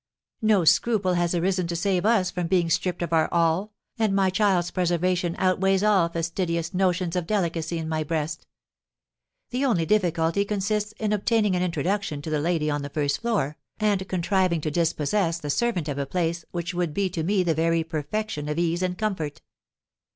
No scruple has arisen to save us from being stripped of our all, and my child's preservation outweighs all fastidious notions of delicacy in my breast. The only difficulty consists in obtaining an introduction to the lady on the first floor, and contriving to dispossess the servant of a place which would be to me the very perfection of ease and comfort."